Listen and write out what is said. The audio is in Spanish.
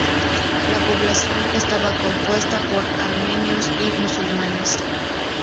La población estaba compuesta por armenios y musulmanes.